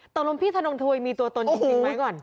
ตรงนั้นพี่ถนงทุยมีตัวตนจริงไหมก่อน